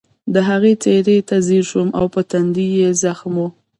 د هغې څېرې ته ځیر شوم او په ټنډه یې زخم و